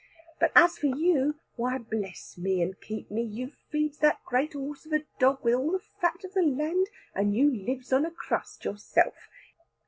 But as for you, why bless me and keep me, you feeds that great horse of a dog with all the fat of the land, and you lives on a crust yourself.